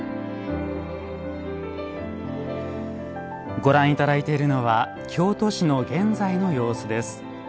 ご覧いただいているのは京都市の現在の様子です。